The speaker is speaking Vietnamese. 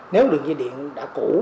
nếu đường dây điện đã cũ